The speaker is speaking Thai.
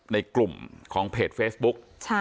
ในกลุ่มของเพจเฟซบุ๊ก